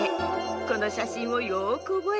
このしゃしんをよくおぼえて。